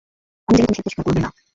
আমি জানি তুমি সত্য স্বীকার করবে না।